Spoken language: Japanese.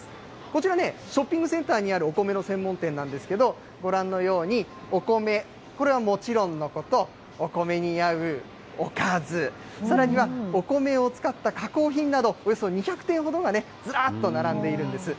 こちら、ショッピングセンターにあるお米の専門店なんですけれども、ご覧のように、お米、これはもちろんのこと、お米に合うおかず、さらにはお米を使った加工品など、およそ２００点ほどがずらっと並んでいるんです。